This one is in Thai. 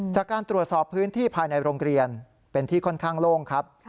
จากการตรวจสอบพื้นที่ภายในโรงเรียนเป็นที่ค่อนข้างโล่งครับ